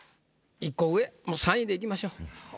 １個上もう３位でいきましょう。